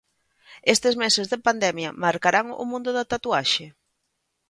Estes meses de pandemia marcarán o mundo da tatuaxe?